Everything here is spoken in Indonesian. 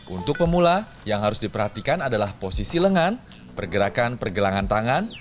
untuk pemula yang harus diperhatikan adalah posisi lengan pergerakan pergelangan tangan